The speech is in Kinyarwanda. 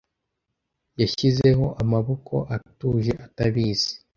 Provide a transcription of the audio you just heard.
Yashizeho amaboko atuje atabizi.